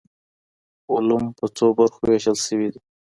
علوم په څو برخو ویشل سوي دي؟